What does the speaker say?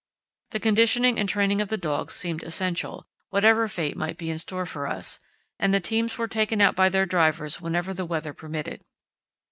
The conditioning and training of the dogs seemed essential, whatever fate might be in store for us, and the teams were taken out by their drivers whenever the weather permitted.